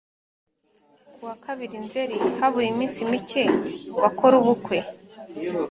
kuwa kabiri nzeri habura iminsi mike ngo akore ubukwe